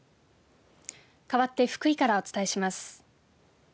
かわって福井からお伝えします。